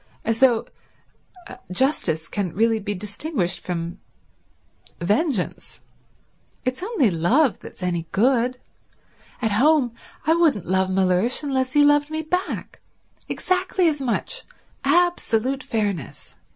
As though justice can really be distinguished from vengeance. It's only love that's any good. At home I wouldn't love Mellersh unless he loved me back, exactly as much, absolute fairness.